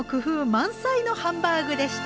満載のハンバーグでした。